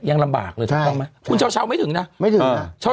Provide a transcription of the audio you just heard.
อย่างลำบากเลยโชคปะคุณเชาไม่ถึงนะ